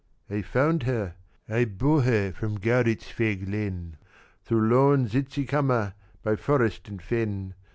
"I found her; I bore her from Gauritz' fair glen, Through lone Zitzikamma, by forest and fen.